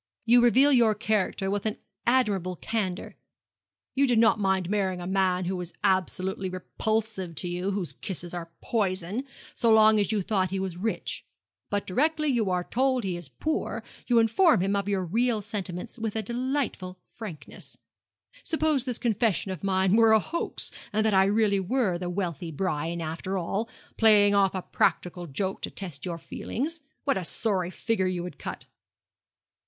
You reveal your character with an admirable candour. You did not mind marrying a man who was absolutely repulsive to you whose kisses are poison so long as you thought he was rich. But directly you are told he is poor you inform him of your real sentiments with a delightful frankness. Suppose this confession of mine were a hoax, and that I really were the wealthy Brian after all playing off a practical joke to test your feelings what a sorry figure you would cut!'